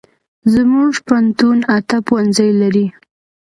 زمونږ پوهنتون اته پوهنځي لري